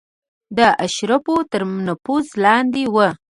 د اشرافو تر نفوذ لاندې وه.